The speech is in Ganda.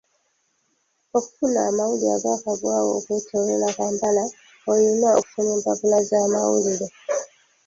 Okufuna amawulire agaakagwawo okwetooloola Kampala oyina okusoma empapula z'amawulire.